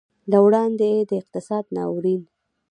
له وړاندې د اقتصادي ناورین